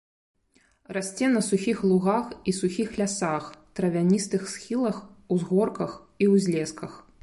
Расце на сухіх лугах і сухіх лясах, травяністых схілах, узгорках і ўзлесках.